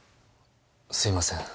すいません。